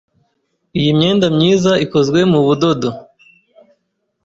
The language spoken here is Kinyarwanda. Iyi myenda myiza ikozwe mu budodo.